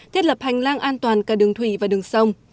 thiết lập hành lang an toàn cả đường thủy và đường sông